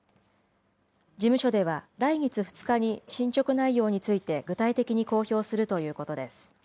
事務所では来月２日に進捗内容について具体的に公表するということです。